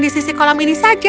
di sisi kolam ini saja